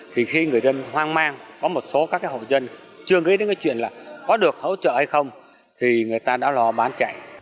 thì khi người dân hoang mang có một số các hộ dân chưa nghĩ đến cái chuyện là có được hỗ trợ hay không thì người ta đã lo bán chạy